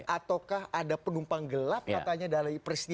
ataukah ada penumpang gelap katanya dari peristiwa ini